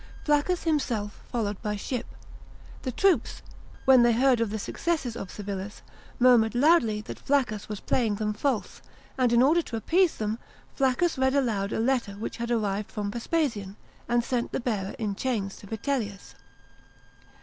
Flaccus himself followed by ship. The troops, when they heard of the successes of Civilis, murmured loudly that Flaccus was playing them false ; and in order to appease them, Flaccus read aloud a letter which had arrived from Vespasian, and sent the bearers in chains to Vitellius.